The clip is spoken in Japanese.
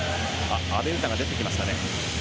阿部詩が出てきましたね。